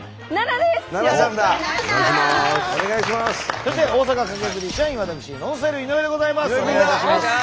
そして大阪カケズリ社員私ＮＯＮＳＴＹＬＥ井上でございます。